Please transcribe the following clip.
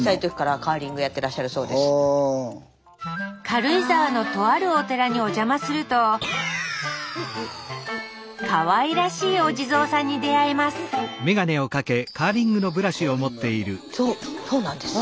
軽井沢のとあるお寺にお邪魔するとかわいらしいお地蔵さんに出会いますそうそうなんです。